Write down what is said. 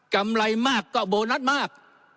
ำไรมากก็โบนัสมาก